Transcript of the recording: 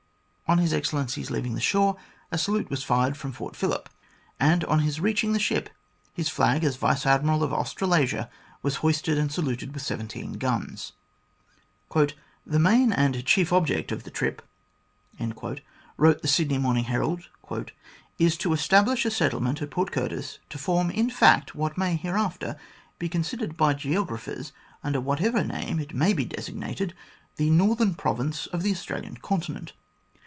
On His Excellency's leaving the shore a salute was fired from Fort Phillip, and on his reaching the ship, his flag as Vice Admiral of Australasia was hoisted and saluted with seventeen guns. "The main and chief object of the trip," wrote the Sydney Morning Herald, " is to establish a settlement at Port Curtis, to form, in fact, what may hereafter be considered by geographers, under whatever name it may be designated, the Northern Province of the Australian Continent.